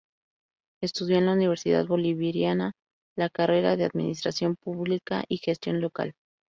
Estudió en la Universidad Bolivariana la carrera de administración pública y gestión local.